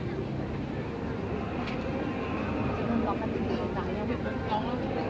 มันเป็นสิ่งที่จะให้ทุกคนรู้สึกว่ามันเป็นสิ่งที่จะให้ทุกคนรู้สึกว่า